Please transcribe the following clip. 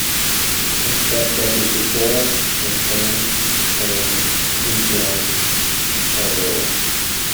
Express buses to Seoul, Ansan, and Incheon are available.